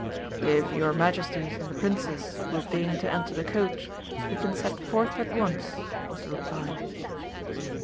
"If your Majesties and the Princess will deign to enter the coach, we can set forth at once," was the reply.